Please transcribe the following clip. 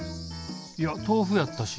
いや豆腐やったし。